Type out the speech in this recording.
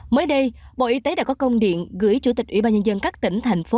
mới đây bộ y tế đã có công điện gửi chủ tịch ủy ban nhân dân các tỉnh thành phố